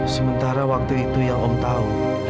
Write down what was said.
sementara waktu itu yang om tahu